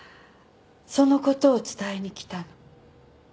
そのことを伝えに来たの。